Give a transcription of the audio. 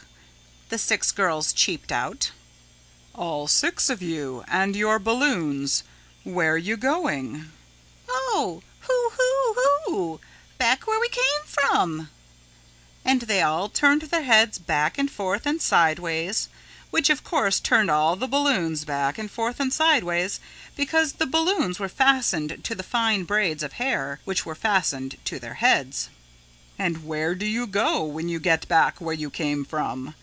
the six girls cheeped out. "All six of you and your balloons, where you going?" "Oh, hoo hoo hoo, back where we came from," and they all turned their heads back and forth and sideways, which of course turned all the balloons back and forth and sideways because the balloons were fastened to the fine braids of hair which were fastened to their heads. "And where do you go when you get back where you came from?"